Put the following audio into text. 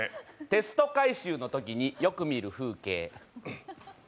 テスト回収のときによく見る風景。